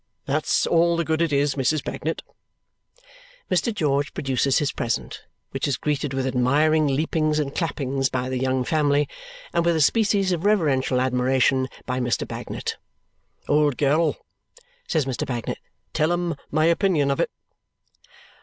That's all the good it is, Mrs. Bagnet." Mr. George produces his present, which is greeted with admiring leapings and clappings by the young family, and with a species of reverential admiration by Mr. Bagnet. "Old girl," says Mr. Bagnet. "Tell him my opinion of it."